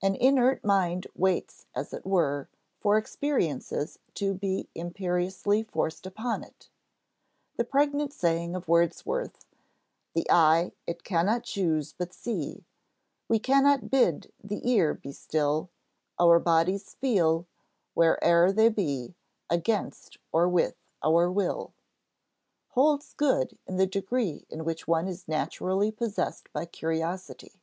An inert mind waits, as it were, for experiences to be imperiously forced upon it. The pregnant saying of Wordsworth: "The eye it cannot choose but see; We cannot bid the ear be still; Our bodies feel, where'er they be, Against or with our will" holds good in the degree in which one is naturally possessed by curiosity.